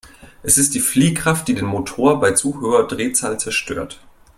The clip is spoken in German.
Es ist die Fliehkraft, die den Motor bei zu hoher Drehzahl zerstört.